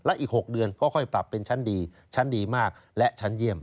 อีก๖เดือนก็ค่อยปรับเป็นชั้นดีชั้นดีมากและชั้นเยี่ยม